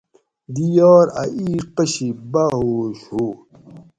دی یاٞر اٞ اِیڄ پشی باٞ ہُوش ہُو